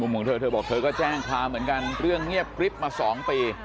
ของเธอเธอบอกเธอก็แจ้งความเหมือนกันเรื่องเงียบกริ๊บมา๒ปี